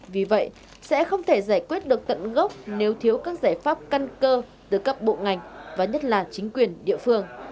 vì vậy sẽ không thể giải quyết được tận gốc nếu thiếu các giải pháp căn cơ từ các bộ ngành và nhất là chính quyền địa phương